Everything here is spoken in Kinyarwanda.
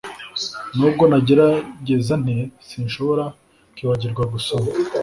Nubwo nagerageza nte sinshobora kwibagirwa gusomana